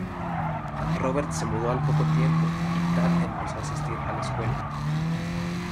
Robert se mudó al poco tiempo, y Tad empezó a asistir a la escuela.